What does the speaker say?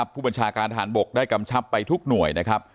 ผู้บัญชาการทหารบกได้กำชับไปทุกหน่วยนะครับ